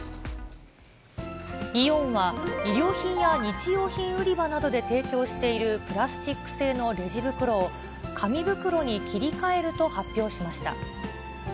イオンは、衣料品や日用品売り場で提供しているプラスチック製のレジ袋を、紙袋に切り替えると発表しました。